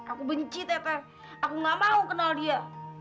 aku benci tete aku gak mau kenal dia